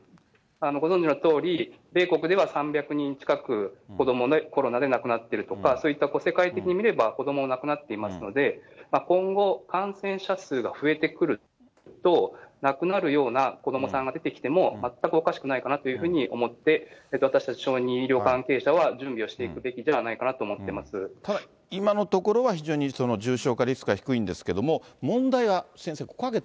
ご存じのとおり、米国では３００人近く、子どもがコロナで亡くなっているとか、そういった、世界的に見れば、子どもも亡くなっていますので、今後、感染者数が増えてくると、亡くなるような子どもさんが出てきても、全くおかしくないかなというふうに思って、私たち小児医療関係者は準備をしていくべきではないかなと思ってただ、今のところは非常に重症化リスクは低いんですけども、問題は先生。